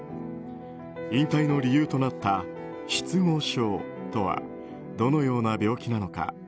引退の理由となった失語症とはどのような病気なのか。